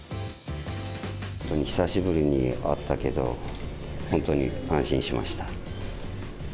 本当に久しぶりに会ったけど、本当に安心しました。